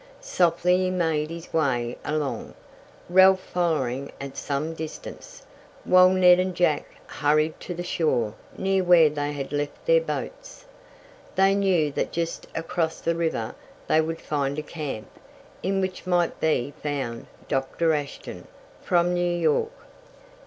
Softly he made his way along, Ralph following at some distance, while Ned and Jack hurried to the shore near where they had left their boats. They knew that just across the river they would find a camp, in which might be found Dr. Ashton, from New York.